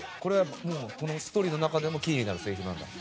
ストーリーの中でもキーになるセリフなんだ。